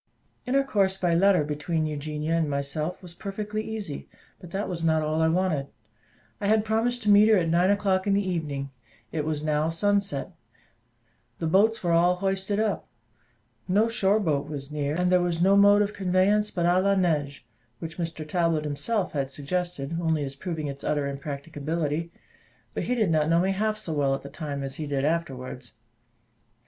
Intercourse by letter between Eugenia and myself was perfectly easy; but that was not all I wanted. I had promised to meet her at nine o'clock in the evening. It was now sunset; the boats were all hoisted up; no shore boat was near, and there was no mode of conveyance but à la nage, which Mr Talbot himself had suggested only as proving its utter impracticability; but he did not know me half so well at the time as he did afterwards.